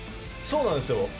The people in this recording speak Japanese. そうなんですよ。